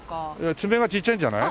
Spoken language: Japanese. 爪がちっちゃいんじゃない？